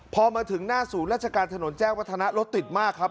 พอมาถึงหน้าศูนย์ราชการถนนแจ้งวัฒนะรถติดมากครับ